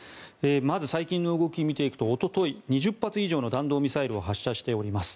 まず最近の動きを見ていくとおととい２０発以上の弾道ミサイルを発射しております。